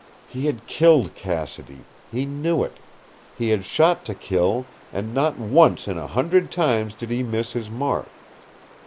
He had killed Cassidy. He knew it. He had shot to kill, and not once in a hundred times did he miss his mark.